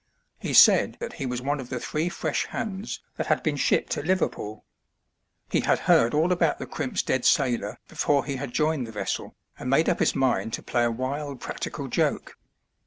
He said that he was one of the three fresh hands that had been shipped at Liverpool. He had heard all about the crimp's dead sailor before he had joined the vessel, and made up his mind to play a wild practical joke.